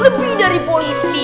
lebih dari polisi